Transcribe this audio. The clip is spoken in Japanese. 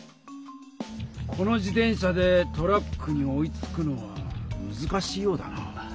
この自転車でトラックに追いつくのはむずかしいようだな。